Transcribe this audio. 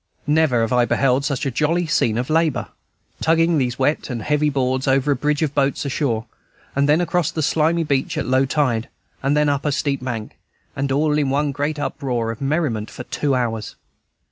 Never have I beheld such a jolly scene of labor. Tugging these wet and heavy boards over a bridge of boats ashore, then across the slimy beach at low tide, then up a steep bank, and all in one great uproar of merriment for two hours.